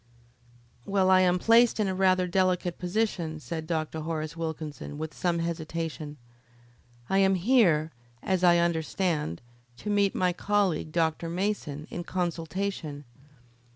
"Well, I am placed in a rather delicate position," said Dr. Horace Wilkinson, with some hesitation. "I am here, as I understand, to meet my colleague, Dr. Mason, in consultation.